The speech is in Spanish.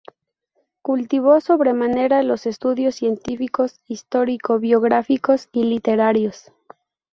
Cultivó sobremanera los estudios científicos, histórico-biográficos y literarios.